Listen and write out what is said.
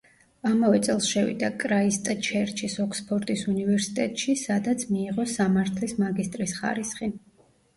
ამავე წელს შევიდა კრაისტჩერჩის ოქსფორდის უნივერსიტეტში, სადაც მიიღო სამართლის მაგისტრის ხარისხი.